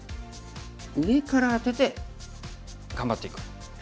上からアテて頑張っていく。